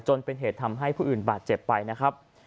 จนเป็นเหตุทำให้ผู้อื่นบาดเจ็บไปนะครับ